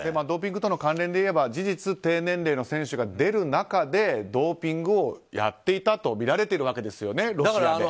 ドーピングとの関連でいえば事実、低年齢の選手が出る中でドーピングをやっていたとみられているわけですよね。